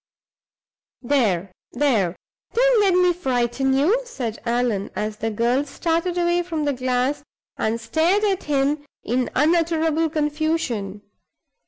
"There! there! don't let me frighten you," said Allan, as the girl started away from the glass, and stared at him in unutterable confusion.